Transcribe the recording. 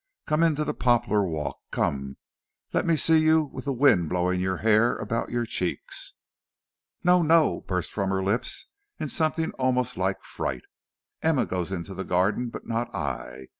Come into the poplar walk, come; let me see you with the wind blowing your hair about your cheeks." "No, no!" burst from her lips in something almost like fright. "Emma goes into the garden, but not I.